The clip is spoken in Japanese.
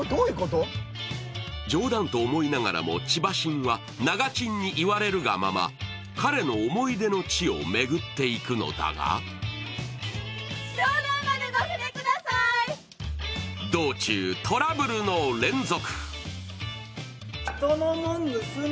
冗談と思いながらもちばしんはながちんに言われるがまま彼の思い出の地を巡っていくのだが道中、トラブルの連続。